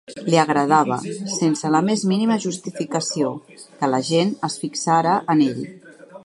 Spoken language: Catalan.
Li agradava, sense la més mínima justificació, que la gent es fixara en ell.